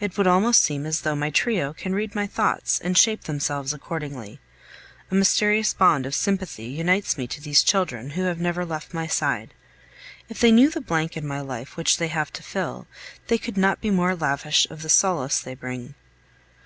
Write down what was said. It would almost seem as though my trio can read my thoughts and shape themselves accordingly. A mysterious bond of sympathy unites me to these children who have never left my side. If they knew the blank in my life which they have to fill, they could not be more lavish of the solace they bring.